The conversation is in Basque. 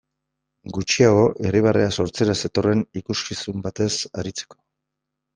Gutxiago irribarrea sortzera zetorren ikuskizun batez aritzeko.